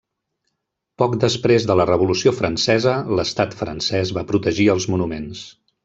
Poc després de la Revolució Francesa, l'estat francès va protegir els monuments.